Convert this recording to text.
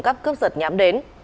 các cướp giật nhám đến